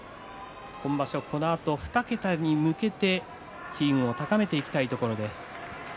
このあと２桁に向けて機運を高めていきたいところです。